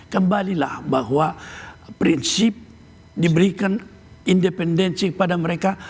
kembalilah bahwa prinsip diberikan independensi kepada mereka